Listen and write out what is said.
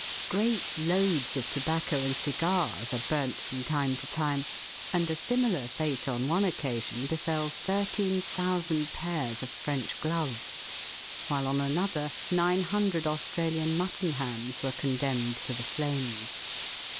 Great loads of tobacco and cigars are burnt from time to time, and a similar fate on one occasion befel thirteen thousand pairs of French gloves, while on another nine hundred Australian mutton hams were condemned to the flames.